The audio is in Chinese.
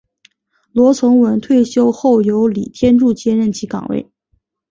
罗崇文退休后由李天柱接任其岗位。